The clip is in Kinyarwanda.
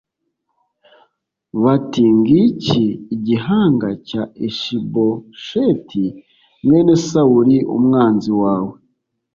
bati “Ngiki igihanga cya Ishibosheti mwene Sawuli umwanzi wawe